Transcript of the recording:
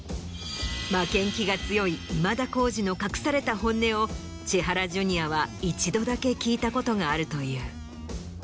負けん気が強い今田耕司の隠された本音を千原ジュニアは一度だけ聞いたことがあるという。